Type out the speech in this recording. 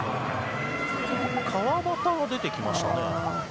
川畑が出てきましたね。